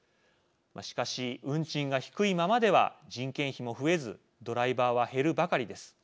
しかし運賃が低いままでは人件費も増えずドライバーは減るばかりです。